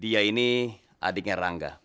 dia ini adiknya rangga